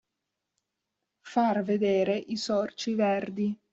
Far vedere i sorci verdi.